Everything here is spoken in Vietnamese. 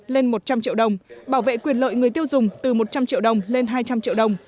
lên một trăm linh triệu đồng bảo vệ quyền lợi người tiêu dùng từ một trăm linh triệu đồng lên hai trăm linh triệu đồng